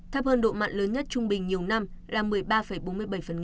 thấp hơn độ mặn lớn nhất trung bình nhiều năm là một mươi ba bốn mươi bảy